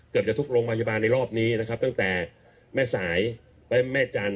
เกือบจะทุกโรงพยาบาลในรอบนี้นะครับตั้งแต่แม่สายและแม่จันท